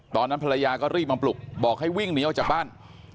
ตอนนั้นภรรยาก็รีบมาปลุกบอกให้วิ่งหนีออกจากบ้าน